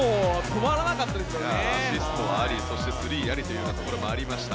アシストありそして、スリーありというところもありました。